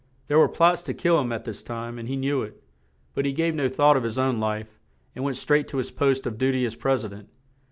There were plots to kill him at this time, and he knew it; but he gave no thought to his own life, and went straight to his post of du ty as Pres i dent.